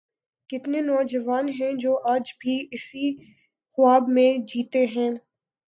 کتنے نوجوان ہیں جو آج بھی اسی خواب میں جیتے ہیں۔